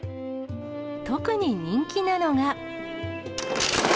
特に人気なのが。